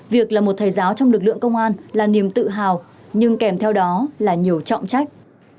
việc là một thầy giáo trong lực lượng công an là niềm tự hào nhưng kèm theo đó là nhiều trọng trách